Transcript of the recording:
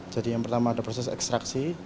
jadi yang pertama ada proses ekstraksi